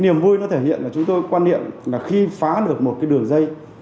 niềm vui thể hiện là chúng tôi quan niệm khi phá được một đường dây